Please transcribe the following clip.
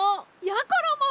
やころも！